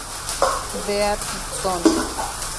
Dead Zone